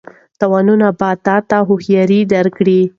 تاوانونه به تا ته هوښیاري درکړي.